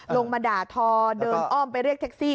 ลงมาด่าทอเดินอ้อมไปเรียกแท็กซี่